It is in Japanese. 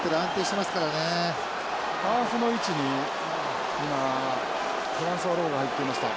ハーフの位置に今フランソワロウが入っていました。